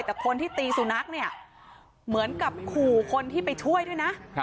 แต่คนที่ตีสุนัขเนี่ยเหมือนกับขู่คนที่ไปช่วยด้วยนะ